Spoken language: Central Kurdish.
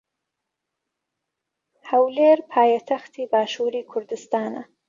ھەولێر پایتەختی باشووری کوردستانە.